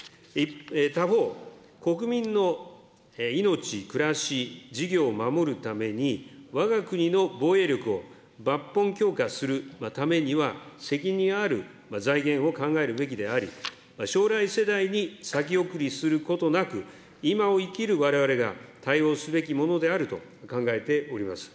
他方、国民の命、暮らし、事業を守るために、わが国の防衛力を抜本強化するためには、責任ある財源を考えるべきであり、将来世代に先送りすることなく、今を生きるわれわれが対応すべきものであると考えております。